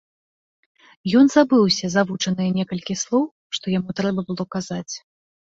Ён забыўся завучаныя некалькі слоў, што яму трэба было казаць.